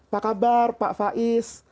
pak kabar pak faiz